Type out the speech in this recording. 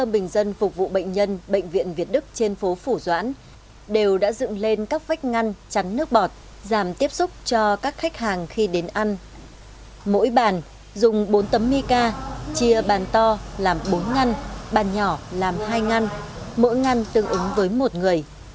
bàn nhỏ làm hai ngăn mỗi ngăn tương ứng với một người